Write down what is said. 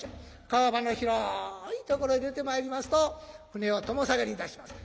川幅の広いところへ出てまいりますと船はとも下がりいたします。